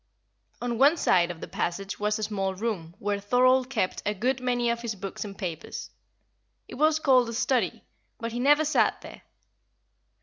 On one side of the passage was a small room where Thorold kept a good many of his books and papers. It was called the study, but he never sat there.